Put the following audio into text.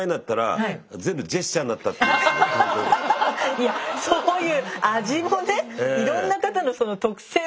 いやそういう味もねいろんな方の特性も生かしてね。